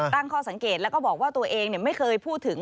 ตั้งข้อสังเกตแล้วก็บอกว่าตัวเองไม่เคยพูดถึง